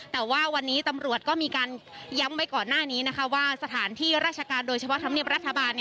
แต่ว่าวันนี้ตำรวจก็มีการย้ำไว้ก่อนหน้านี้นะคะว่าสถานที่ราชการโดยเฉพาะธรรมเนียบรัฐบาล